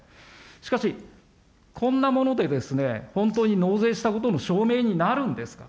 しかし、こんなもので、本当に納税したことの証明になるんですか。